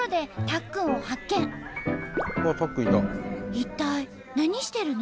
一体何してるの？